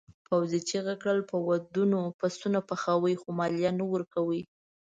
پوځي چیغه کړه په ودونو پسونه پخوئ خو مالیه نه ورکوئ.